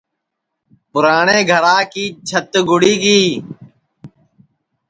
پُراٹِؔیں گھرا کی چھت گُڑی گی